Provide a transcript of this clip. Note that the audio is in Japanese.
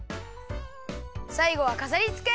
さいごはかざりつけ！